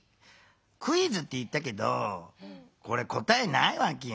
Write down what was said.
「クイズ」って言ったけどこれ答えないわけよ。